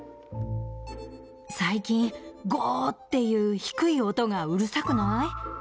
最近、ゴーっていう低い音がうるさくない？